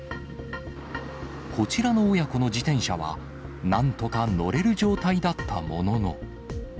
こちらの親子の自転車は、なんとか乗れる状態だったものの。